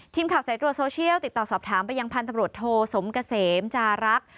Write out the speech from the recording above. สายตรวจโซเชียลติดต่อสอบถามไปยังพันธบรวจโทสมเกษมจารักษ์